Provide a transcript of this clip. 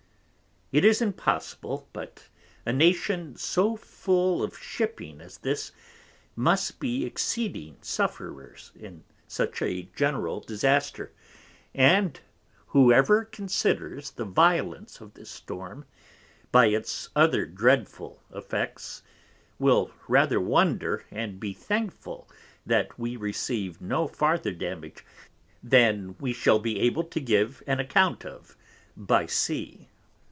It is impossible, but a Nation so full of Shipping as this, must be exceeding Sufferers in such a general Disaster, and who ever considers the Violence of this Storm by its other dreadful Effects will rather wonder, and be thankful that we receiv'd no farther Damage, than we shall be able to give an Account of by Sea.